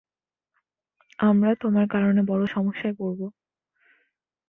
আমরা তোমার কারণে বড় সমস্যায় পড়ব।